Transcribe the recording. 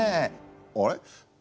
あれ？